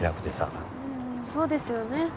うんそうですよね。